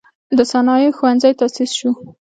د صنایعو ښوونځی تأسیس شو.